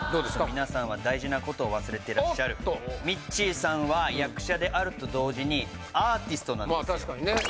皆さんは大事なことを忘れてらっしゃるミッチーさんはおっと役者であると同時にアーティストなんですまあ